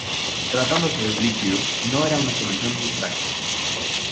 Tratándose de un líquido, no era una solución muy práctica.